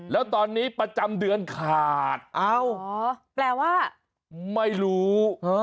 แล้วตอนนี้ประจำเดือนขาดเอ้าแปลว่าไม่รู้